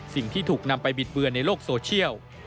สิ่งที่ถูกนำไปบิดเบือนในโลกโซเชียล